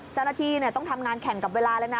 เจ้าหน้าที่ต้องทำงานแข่งกับเวลาเลยนะ